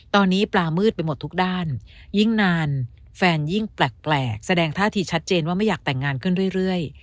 ตอนนี้ปลามืดไปหมดทุกด้านยิ่งนานแฟนยิ่งแปลกแสดงท่าทีชัดเจนว่าไม่อยากแต่งงานขึ้นเรื่อย